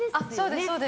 そうです。